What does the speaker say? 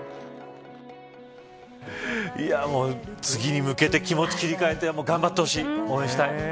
次に向けて気持ちを切り替えて頑張ってほしい。